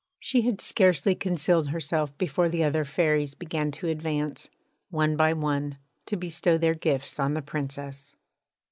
She had scarcely concealed herself before the other Fairies began to advance, one by one, to bestow their gifts on the Princess.